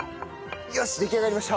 よし出来上がりました。